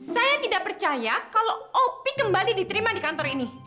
saya tidak percaya kalau opi kembali diterima di kantor ini